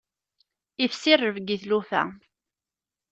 Ifsi rrebg i tlufa.